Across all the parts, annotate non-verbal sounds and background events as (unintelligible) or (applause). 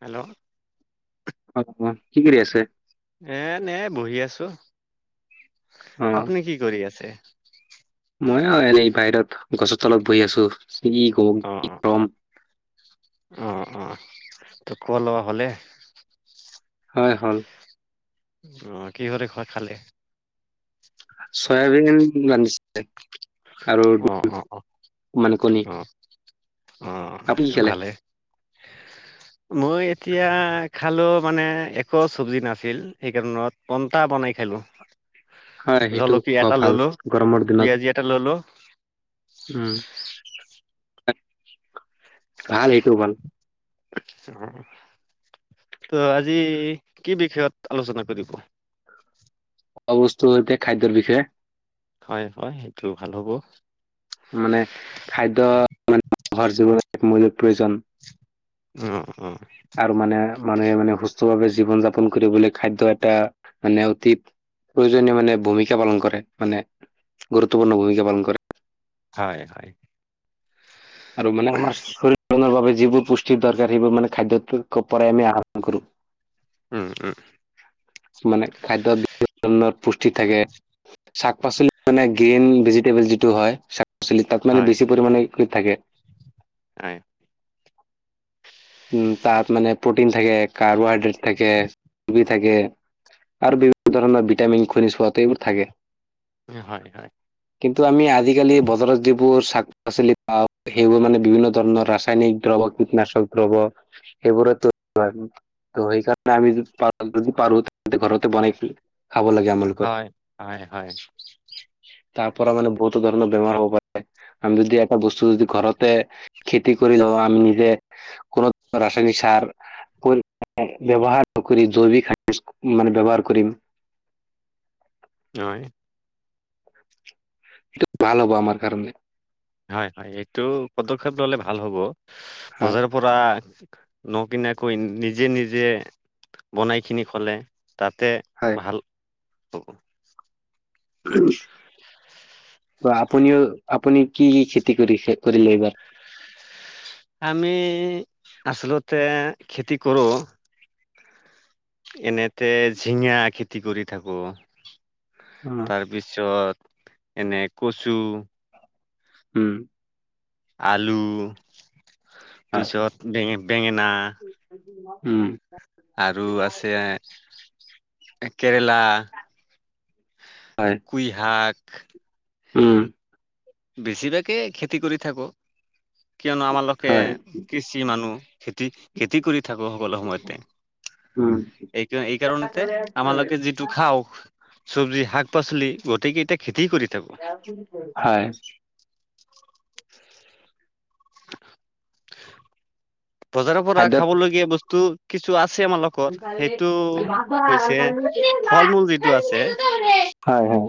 Hello অ অ। কি কৰি আছে? এনেই বঢ়ি আছো। অ', আপুনি কি কৰি আছে? মইয়ো এনেই বাহিৰত গছৰ তলত বহি আছো কি কম গৰম। উম উম, তোক লব হ'লে হয় হ'ল। অ কি কৰে ঘৰত খালে। চয়াবিন ৰান্ধিছিলে। আৰু অ অ অ মানে কণী। আপুনি কি খালে? ভালেই। মই এতিয়া খালো মানে একো চবজি নাছিল, সেইকাৰণত পন্তা বনাই খালো। (unintelligible) হয় সেইটো জলকীয়া খোৱা এটা ভাল ললো গৰমৰ পিয়াজি এটা ললো দিনত। উম, ভাল এইটো ভাল। (unintelligible) ত' আজি কি বিষয়ত আলোচনা কৰিব। খোৱাবস্ত হৈছে খাদ্যৰ বিষয়ে। হয়, হয় সেইটো ভাল হ'ব। মানে খাদ্য মানে ঘৰ জীৱন এক মূল্য। প্ৰয়োজন অ আৰু মানে মানুহে মানে সুস্থ ভাৱে জীৱন যাপন কৰিবলৈ খাদ্য এটা মানে অতি প্ৰয়োজনীয় মানে ভূমিকা পালন কৰে মানে গুৰুত্বপূৰ্ণ ভূমিকা পালন কৰে। হয়, হয়। আৰু মানে আমাৰ শৰীৰনৰ বাবে যিবোৰ পুষ্টিৰ দৰকাৰ সেইবোৰ মানে খাদ্য পৰাই আমি আহৰণ কৰোঁ। (inaudible) উম, উম। মানে খাদ্য পুষ্টি থাকে শাক পাচলি মানে গ্ৰীন ভেজিটেবল যিটো হয় পাচলিত তাত মানে হয় বেছি পৰিমাণে (unintelligible) থাকে। হয়। উম তাত মানে প্ৰটিন থাকে কাৰ্বোহাইড্ৰেট থাকে। (unintelligible) থাকে। আৰু বিভিন্ন ধৰণৰ ভিটামিন খনিজ প এইবোৰ থাকে। হয়, হয়। কিন্তু আমি আজিকালি বজাৰত যিবোৰ শাক- পাচলি পাও সেইবোৰ মানে বিভিন্ন ধৰণৰ ৰাসায়নিক দ্ৰব্য কীটনাশক দ্ৰব্য এইবোৰো হয় ত সেইকাৰণে আমি যদি পাৰো তে ঘৰতে বনাই খাব লাগে আমালোকৰ হয়, হয়, হয়। তাৰ পৰা মানে বহুত ধৰণৰ বেমাৰ হ'ব পাৰে, আমি যদি এটা বস্তু যদি ঘৰতে খেতি কৰি লওঁ অ', ' আম নিজে কোনো ৰাসায়নিক সাৰ পৰি ব্যৱহাৰ নকৰি জৈৱিক মান ব্যৱহাৰ কৰিম। হয়। এইটো ভাল হ'ব আমাৰ কাৰণে। হয়, হয় এইটো পদক্ষেপ ললে ভাল হ'ব হয় বজাৰৰ পৰা নকিনাকৈ নিজে নিজে বনাই খিনি খলে তাতে হয় ভাল হ'ব। (unintelligible) বা আপুনিও আপুনি কি কি খেতি কৰি কৰিলে এইবাৰ? আমি আচলতে খেতি কৰোঁ। এনেতে জঝিঙা খেতি কৰি থাকো। উম তাৰপিছত এনে কচু উম। আলু হয় পিছত বেঙ বেঙেনা উম। আৰু আছে কেৰেলা হয় পূইহাক উম। বেছিভাগেই খেতি কৰি থাকো, কিয়নো আমালোকে হয় কৃষি মানুহ। খেতি, খেতি কৰি থাকো সকলো সময়তে। উম এই এই কাৰণতে আমালোকে যিটো খাওঁ চব্জি শাক- পাচলি গোটেকেইতিয়া খে হয়, বজাৰৰ পৰা খাদ্যত খাবলগীয়া বস্তু কিছু আছে আমালোকৰ (unintelligible) সেইটো হয়, হৈছে ফল মূল যিটো আছে হয়,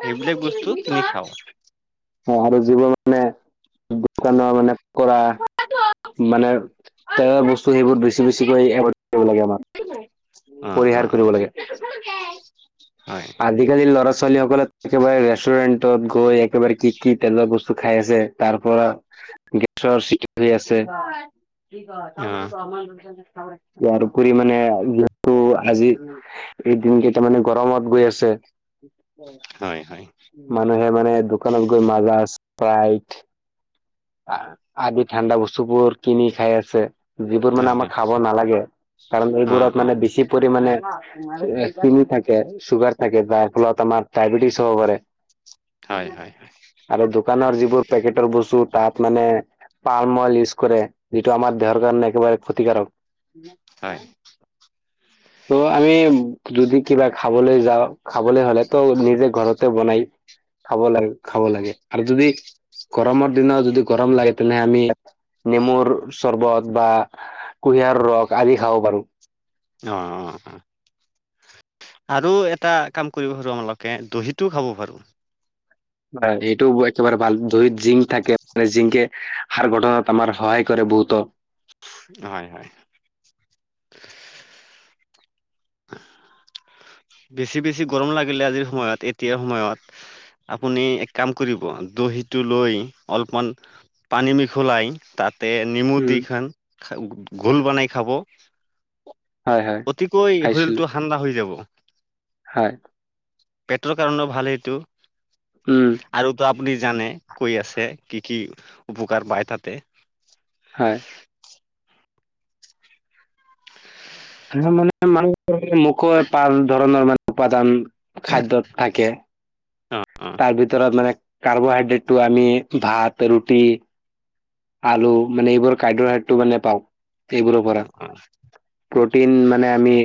সেইবিলাক বস্তু কিনি খাওঁ অ', আৰু যিবোৰ মানে দোকানৰ মানে কৰা মানে তেলৰ বস্তু সেইবোৰ বেছি বেছিকৈ লাগে আমাৰ অ অ পৰিহাৰ কৰিব লাগে। হয় আজিকালি লৰা ল'ৰা ছোৱালীসকলে একেবাৰে ৰেষ্টুৰেণ্টত গৈ একেবাৰে কি কি তেলৰ বস্তু খাই আছে তাৰ পৰা গেছৰ (unintelligible) আছে। অ ইয়াৰ উপৰি মানে যিহেতু আজি এদিন কেইটা মানে গৰমত গৈ আছে। হয় হয় মানুহে মানে দোকানত গৈ মাজা স্প্ৰাইট আদি ঠাণ্ডা বস্তুবোৰ কিনি খাই আছে। যিবোৰ মানে অ আমাক খাব নালাগে কাৰণ অ এইবোৰত অ মানে বেছি পৰি মাণে চিনি থাকে চুগাৰ থাকে যাৰ ফলত আমাৰ ডায়বেটিছ হব পাৰে। হয় হয় আৰু দোকানৰ যিবোৰ পেকেটৰ বস্তুত তাত মানে পাল অইল ইউজ কৰে, যিটো আমাৰ দেহকাৰ নাই একেবাৰে ক্ষতিকাৰক। হয়, ত' আমি যদি কিবা খাবলৈ যাওঁ খাবলৈ হ'লে ত' নিজে ঘৰত। বনাই খাব লাগ খাব লাগে আৰু যদি গৰমত দিনা যদি গৰম লাগে তেনেহলে আমি নেমুৰ চৰ্বত, বা কুঁহিয়াৰ ৰস আদি খাব পাৰোঁ। অ', অ', অ', আৰু এটা কাম কৰিব পাৰো আমালোকে দহিটো খাব পাৰো। হয়, এইটো একেবাৰে ভাল দহিত জিংক থাকে, মানে জিংকে হাৰ গঠনাত আমাৰ সহায় কৰে। বহুতো। হয়, হয়, (inaudible) বেছি বেছি গৰম লাগিলে আজিৰ সময়ত, এতিয়াৰ সময়ত আপুনি এক কাম কৰিব দহি টো লৈ অলপমান পানী মিখলাই তাত তে নেমু উম দি খান ঘোল বনাই খাব। হয় হয় অতিকৈ খাইছিলো শৰীৰটো ঠাণ্ডা হৈ যাব। হয়, পেটৰ কাৰণেও ভাল এইটো। উম, আপুনি জানে কৈ আছে কি কি উপকাৰ পায় তাতে। হয়, হ মানে মানু মোকো পাৰ ধৰণৰ মানে উপাদান খাদ্যয়ত থাকে। অ তাৰ ভিতৰত মানে কাৰ্বহাইড্ৰেটটো আমি ভাত, ৰুটি আলু মানে এইবোৰ কাৰ্দহাইড্ৰেটটো মানে পাওঁ। এইবোৰৰ অ পৰা অ প্ৰটিন মানে আমি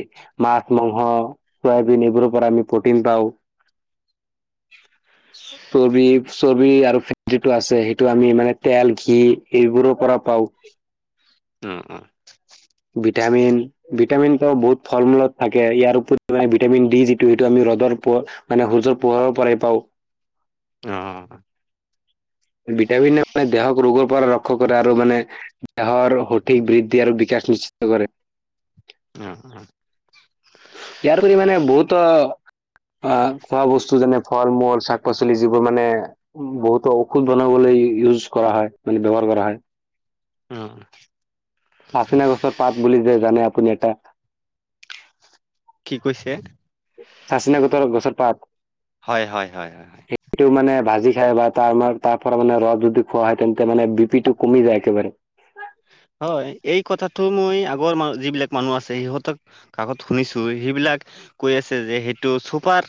মাছ, মাংস, চয়াবিন এইবোৰৰ পৰা আমি প্ৰটিন পাওঁ। চৰ্বি চৰ্বি আৰু ফেত যিটো আছে সেইটো আমি মানে তেল ঘি এইবোৰৰ পৰা পাওঁ। অ', অ', ভিটামিন ভিটামিনটো বহুত ফল মূলত থাকে, ইয়াৰ উপৰি মানে ভিটামিন ডি যিটো সেইটো আমি ৰ'দৰ মানে হুযৰ পোহৰৰ পৰাই পাওঁ। অ', অ', ভিটামিন মানে দেহক ৰোগৰ পৰা ৰক্ষা কৰে আৰু মানে দেহৰ সঠিক বৃদ্ধি আৰু কেচ নিশ্চিত কৰে। উম উম ইয়াৰ কৰি মানে বহুত অ' খোৱা বস্তু যেনে ফল মূল শাক পাচলি যিবোৰ মানে বহুতো ঔষধ বনাবলৈ ইউজ কৰা হয় মানে ব্যৱহাৰ কৰা হয়। অ' লাচিনা গছৰ পাত বুলি যে জানে আপুনি এটা কি কৈছে চাচিনা গোটৰ গছৰ পাত, হয় হয় হয় হয় সেইটো মানে ভাজ ি খাই বা তাৰ তাৰ পৰা মানে ৰস যদি খোৱা হয় তেন্তে মানে বি পি টো কমি যায় একেবাৰে (unintelligible) হয়। এই কথাাতটো মই আগৰ যিবিলাক মানুহ আছে সিহঁতক কাকত শুনিছো সেইবিলাক। লাক কৈ আছে যে সেইটো চুপাৰ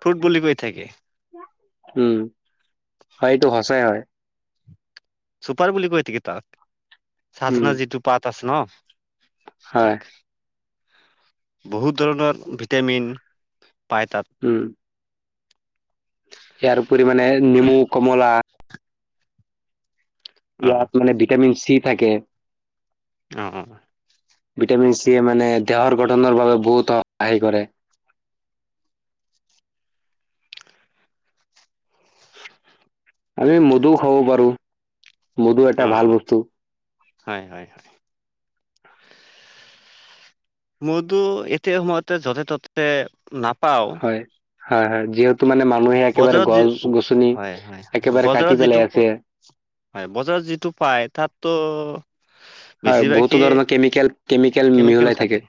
ফ্ৰুইট বুলি কৈ থাকে। উম এইটো সচাই হয়। চুপাৰ বুলি কৈ থাকি তাত উম, চাজনাৰ যিটো পাত আছে ন। হয়, তাক বহুত ধৰণৰ ভিটামিন পাই তাত। উম, ইয়াৰ উপৰি মানে নেমু কমলা অ ইয়াত মানে ভিটামিন চি থাকে অ' ভিটামিন চিয়ে মানে দেহৰ গঠনৰ বাবে বহুত সহায় কৰে। আমি মদু খাব পাৰোঁ। মধু এটা অ ভাল বস্তু। হয় হয় হয় মধু এতিয়া সময়তে য'তে ততে নাপাওঁ। হয়। হয় হয় যি'ত ত মানে মানুহে একেবাৰে যি গছ গছনি হয় হয় হয়, একেবাৰে কাটি বজাৰত যিটো পেলাই আছে। প- হয় বজাৰত যিটো পায় তাত তো হয় বহুতো ধৰণৰ কেমিকেল কেমিকেল মিহলাই থাকে।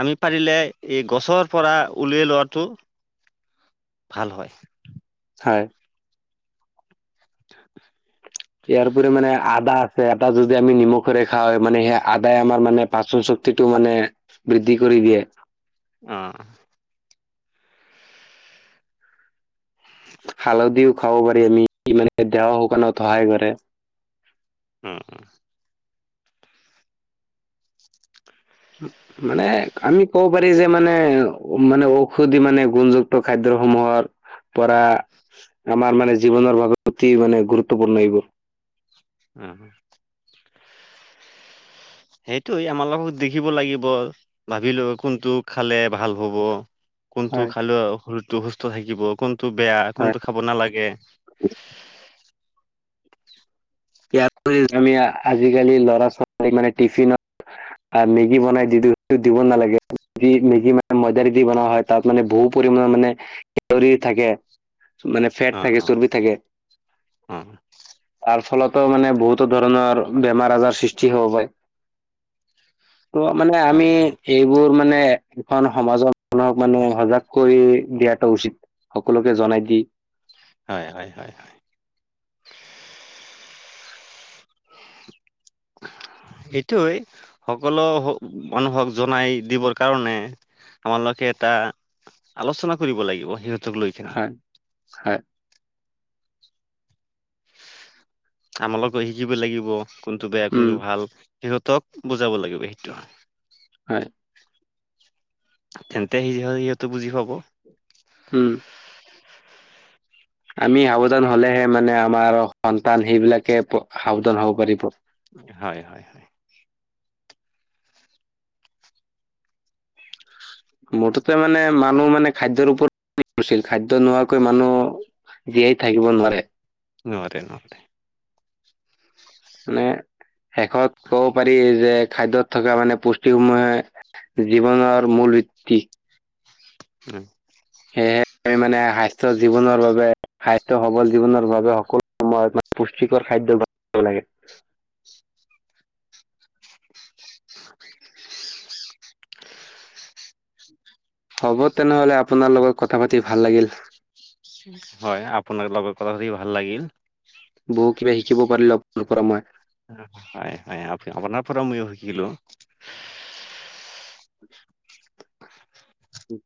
আমি পাৰিলে এই গছৰ পৰা উলিয়াই লোৱাটো ভাল হয়। হয়। (unintelligible) ইয়াৰউপৰি মানে আদা আছে, আদা যদি আমি নিমখেৰে খাওঁ মানে সেই আদাই আমাৰ মানে পাচন চ শক্তিটো মানে বৃদ্ধি কৰি দিয়ে। আহ হালধিও খাব পাৰি আমি মানে দেহা শুকানত সহায় কৰে। উম উম মানে আমি ক'ব পাৰি যে মানে মানে ঔষধি মানে গুণযুক্ত খাদ্য অসমৰ পৰা আমাৰ মানে জীৱনৰ বাবে অতি মানে গুৰুত্বপূৰ্ণ এইবোৰ। উম সেইটোৱে আমালোকক দেখিব লাগিব ভাবিলো কোনটো খালে ভাল হ'ব কোনটো হয় খালে শৰীৰতো সুস্থ থাকিব, কোনটো টো বেয়া হয় কোনটো খাব নালাগে (unintelligible) আমি আজিকালি ল'ৰা ছোৱালী মানে টিফিনত আ মেগী বনাই দি দিওঁ, সেইটো দিব নালাগে। যি মেগী মানে ময়দাৰ দি বনোৱা হয় তাত মানে বহুত পৰিমণৰ মানে কেলৰি থাকে মানে ফেট অ', থাকে অ', চৰ্বি থাকে, অ', তাৰ ফলত মানে বহুতো ধৰণৰ বেমাৰ-আজাৰ সৃষ্টি হ'ব পাৰে। ত' মানে হয়, আমি এইবোৰ মানে মানে এখন সমাজ মানুহক মানে সজাগ কৰি দিয়াটো উচিত। সকলোকে জনাই দি হয় হয় হয়। (unintelligible) সেইটোৱে সকলো মানুহক জনাই দিবৰ কাৰণে আমালোকে এটা আলোচনা কৰিব লাগিব। সিহত হয়। হয়। আমালোক শিকিব লাগিব, কোনটো বেয়া উম কোনটো ভাল। সিহঁতক বুজাব লাগিব, সেইটোৱে। হয় তেন্তে সিহ-সিহঁতটো বুজি পাব। উম। আমি সাৱধান হ'লেহে মানে আমাৰ সন্তান সেইবিলাকে সাৱধান হব পাৰিব। হয়। হয় হয়। মুঠতে মানে মানুহ মানে খাদ্যৰ ওপৰত নিৰ্ভৰশীল খাদ্য নোহোৱাকৈ মানুহ জীয়াই থাকিব নোৱাৰে। নোৱাৰে নোৱাৰে। মানে শেষত ক'ব পাৰি যে খাদ্যত থকা মানে পুষ্টিসমূহে জীৱনৰ মূল বৃত্তি। উম। সেয়েহে মানে স্বাস্থ্য জীৱনৰ বাবে স্বাস্থ্য সবল জীৱনৰ বাবে সকলো সময়ত পুষ্টিকৰ খাদ্যয় (unintelligible) লাগে (unintelligible) (unintelligible) হ'ব তেনেহলে আপোনাৰ লগত কথা পাতি ভাল লাগিল। হয়। আপোনাক লগত কথা সধ ভাল লাগিল। বহুত কিবা শিকিব পাৰিলো আপ পৰা মই। হয় হয় আ-আপোনাৰ পৰা ময়ো শিকিলো। উম।